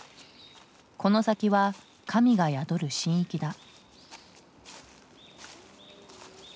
この先は神が宿る神域だ。